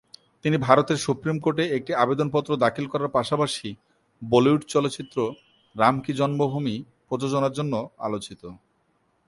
তিনি ভারতের সুপ্রিম কোর্টে একটি আবেদন-পত্র দাখিল করার পাশাপাশি বলিউড চলচ্চিত্র "রাম কি জন্মভূমি" প্রযোজনার জন্য আলোচিত।